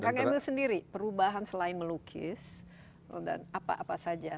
kang emil sendiri perubahan selain melukis dan apa apa saja